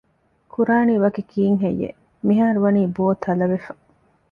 ކުރާނީ ވަކި ކީއްހެއްޔެވެ؟ މިހާރު ވަނީ ބޯ ތަލަވެފަ